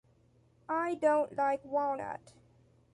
I don't like walnut.